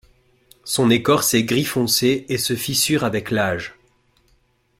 Son écorce est gris foncé et se fissure avec l'âge.